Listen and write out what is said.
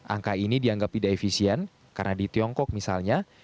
angka ini dianggap tidak efisien karena di tiongkok misalnya